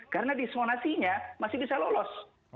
karena disonasinya masih bisa lolos